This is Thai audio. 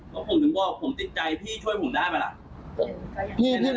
แล้วผมถึงบอกผมติดใจพี่ช่วยผมได้ไหมล่ะ